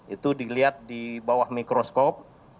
itu dilihat di bawah mikroskop